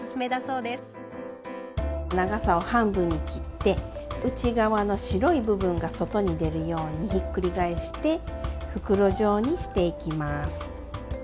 長さを半分に切って内側の白い部分が外に出るようにひっくり返して袋状にしていきます。